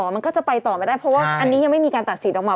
มันก็จะไปต่อไม่ได้เพราะว่าอันนี้ยังไม่มีการตัดสินออกมา